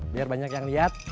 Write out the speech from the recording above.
biar banyak yang lihat